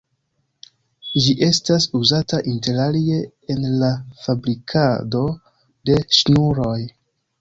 Ĝi estas uzata interalie en la fabrikado de ŝnuroj.